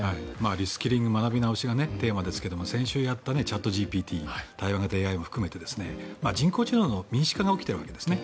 リスキリング、学び直しがテーマですが、先週やったチャットＧＰＴ対話型ＡＩも含めて人工知能の民主化が起きているわけですね。